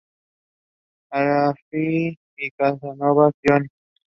Afi y Casanova Jones.